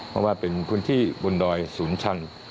เพราะว่าเป็นพื้นที่บนดอยศูนย์ชัน